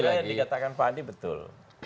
saya kira yang dikatakan pak andi betul